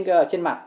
ở trên mặt